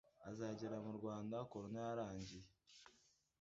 Azagera mu Rwanda corona yarangiye